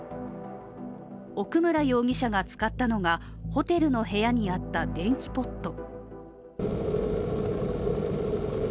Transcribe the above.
奥村容疑者が使ったのが、ホテルの部屋にあった電気ポット。